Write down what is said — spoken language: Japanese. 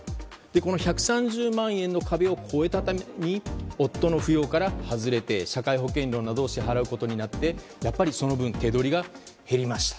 この１３０万円の壁を超えたために夫の扶養から外れて社会保険料などを支払うようになって、その分手取りが減りました。